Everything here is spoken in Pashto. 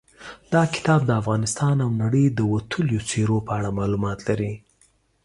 دا کتاب د افغانستان او نړۍ د وتلیو څېرو په اړه معلومات لري.